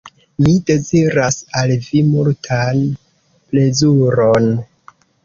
Mi deziras al vi multan plezuron.